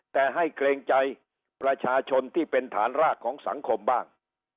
แต่ให้เกรงใจประชาชนที่เป็นฐานรากของสังคมบ้าง